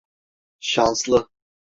Şanslı…